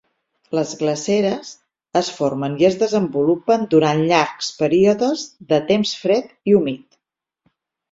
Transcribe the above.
Les glaceres es formen i es desenvolupen durant llargs períodes de temps fred i humit.